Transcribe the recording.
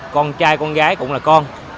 con trai con gái cũng là con